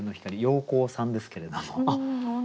陽光さんですけれども。